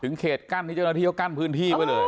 เขตกั้นที่เจ้าหน้าที่เขากั้นพื้นที่ไว้เลย